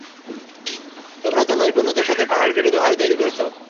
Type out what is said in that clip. তোমরা তো নৈপুণ্যের সাথে পাহাড় কেটে ঘর তৈরি করছ।